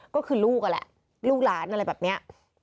ก็คือลูกนั่นแหละลูกหลานอะไรแบบนี้